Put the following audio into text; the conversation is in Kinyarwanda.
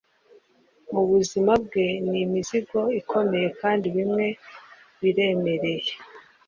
mubuzima bwe ni imizigo ikomeye, kandi bimwe biremereye